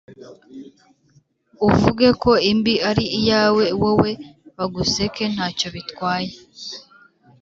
uvuge ko imbi ari iyawe, wowe baguseke nta cyo bitwaye’.